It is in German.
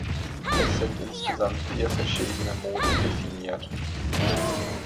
Es sind insgesamt vier verschiedene Modi definiert.